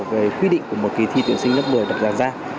về quy định của một kỳ thi tuyển sinh lớp một mươi đập giả ra